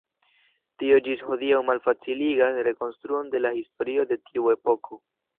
Tio ĝis hodiaŭ malfaciligas rekonstruon de la historio de tiu epoko.